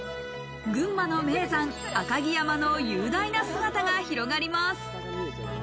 群馬の名山・赤城山の雄大な姿が広がります。